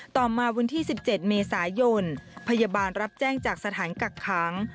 ต่อมาวันที่๑๗เมษายนพยาบาลรับแจ้งจากสถานกักขัง